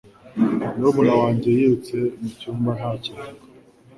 Murumuna wanjye yirutse mu cyumba ntacyo avuga